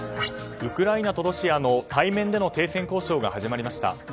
ウクライナとロシアの対面での停戦交渉が始まりました。